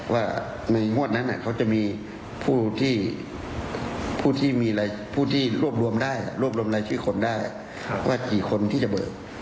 หากพยาบาทธานเชื่อมโยงไปถึงรายก็ต้องถูกกำเนินคดีตามกฎหมายครับ